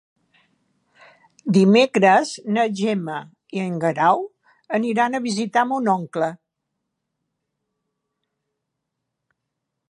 Dimecres na Gemma i en Guerau aniran a visitar mon oncle.